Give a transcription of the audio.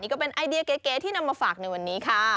ก็เป็นไอเดียเก๋ที่นำมาฝากในวันนี้ค่ะ